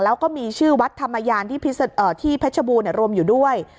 แล้วก็มีชื่อวัดธรรมยานที่เพชรบูรณ์รวมอยู่ด้วย